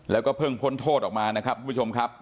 แล้วก็เพิ่งพ้นโทษออกมานะครับทุกผู้ชมครับ